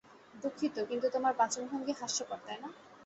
দুঃখিত, কিন্তু তোমার বাচনভঙ্গি, হাস্যকর, তাই না?